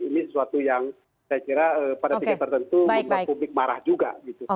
ini sesuatu yang saya kira pada tingkat tertentu membuat publik marah juga